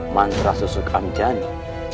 mantra susuk amjani